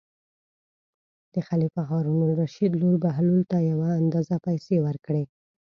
د خلیفه هارون الرشید لور بهلول ته یو اندازه پېسې ورکړې.